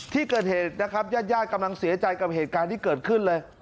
ที่เกิดเหตุนะครับญาติญาติกำลังเสียใจกับเหตุการณ์ที่เกิดขึ้นเลย